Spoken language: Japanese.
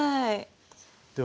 では。